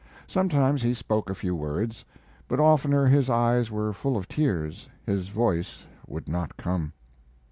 Sometimes he spoke a few words; but oftener his eyes were full of tears his voice would not come.